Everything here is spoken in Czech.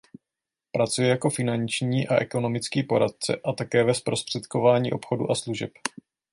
Pracuje jako finanční a ekonomický poradce a také ve zprostředkování obchodu a služeb.